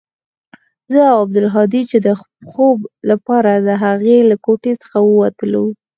زه او عبدالهادي چې د خوب لپاره د هغه له کوټې څخه وتلو.